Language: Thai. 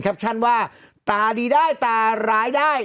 คัปชั่นว่าตาดีได้ตาร้ายได้